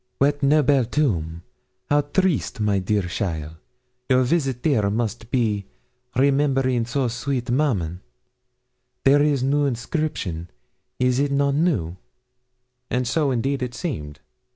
'What noble tomb! How triste, my dear cheaile, your visit 'ere must it be, remembering a so sweet maman. There is new inscription is it not new?' And so, indeed, it seemed.